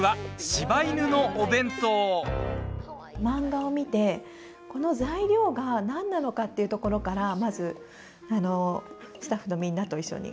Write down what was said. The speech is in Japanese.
漫画を見てこの材料が何なのかっていうところからまず、スタッフのみんなと一緒に。